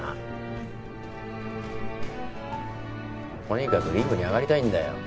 とにかくリングに上がりたいんだよ。